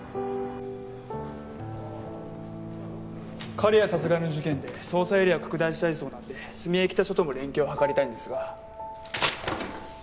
刈谷殺害の事件で捜査エリアを拡大したいそうなんで角江北署とも連携を図りたいんですが。